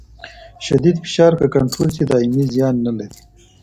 شدید فشار که کنټرول شي دایمي زیان نه لري.